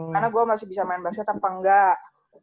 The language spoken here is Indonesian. karena gue masih bisa main basket apa enggak